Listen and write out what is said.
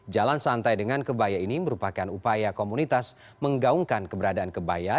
jalan santai dengan kebaya ini merupakan upaya komunitas menggaungkan keberadaan kebaya